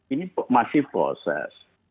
ini masih proses